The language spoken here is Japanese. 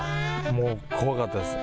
もう怖かったです。